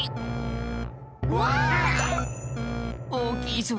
おおきいぞ。